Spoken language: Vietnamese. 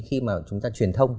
khi mà chúng ta truyền thông